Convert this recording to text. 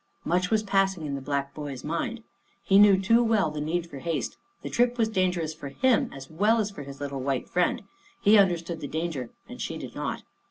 Much was passing in the black boy's mind. He knew too well the need for haste. The trip was dangerous for him as well as for his little white friend; he understood the danger and she did not.